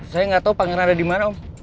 saya nggak tahu pangeran ada di mana om